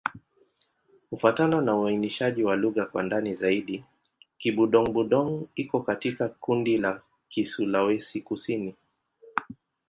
Kufuatana na uainishaji wa lugha kwa ndani zaidi, Kibudong-Budong iko katika kundi la Kisulawesi-Kusini.